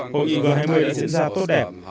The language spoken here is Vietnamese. hội nghị g hai mươi đã diễn ra tốt đẹp